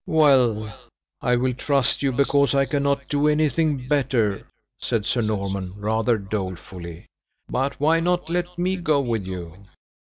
"Well, I will trust you, because I cannot do anything better," said Sir Norman, rather dolefully; "but why not let me go with you?"